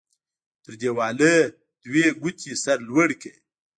تر دیوالۍ دوې ګوتې سر لوړ کړه.